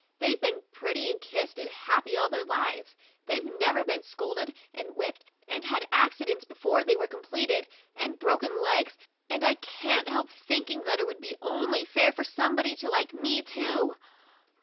They've been petted and kissed and happy all their lives ; they've never been scolded and whipped, and had accidents before they were complete, and broken legs ! and I can't help thinking that it would be only fair for somebody to like me, too.